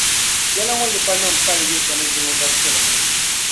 Yɛla ŋɔ yipa niŋ pali yi sani zuŋɔ dabisili ŋɔ.